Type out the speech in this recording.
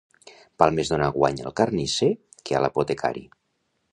Val més donar guany al carnisser que a l'apotecari.